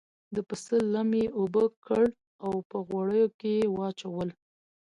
د پسه لم یې اوبه کړل او په غوړیو کې یې واچول.